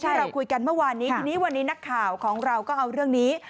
เราคุยกันเมื่อวานนี้ทีนี้วันนี้นักข่าวของเราก็เอาเรื่องนี้